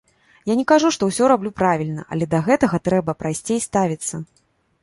Я не кажу, што ўсё раблю правільна, але да гэтага трэба прасцей ставіцца.